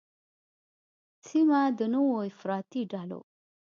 سیمه د نوو افراطي ډلو